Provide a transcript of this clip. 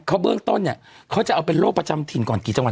เขาเบื้องต้นเนี่ยเขาจะเอาเป็นโรคประจำถิ่นก่อนกี่จังหวัด